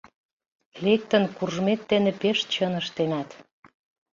Лектын куржмет дене пеш чын ыштенат...